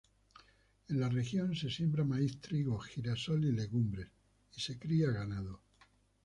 En la región se siembra maíz, trigo, girasol y legumbres y se cría ganado.